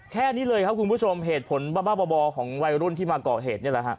แค่นี้เลยแล้วคุณผู้ชมเหตุผลบาร์บอบของวัยรุ่นที่มาก่อเหตุแหละค่ะนะคือคลิป